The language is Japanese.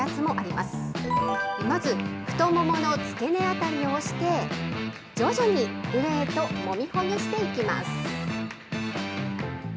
まず、太ももの付け根辺りを押して、徐々に上へともみほぐしていきます。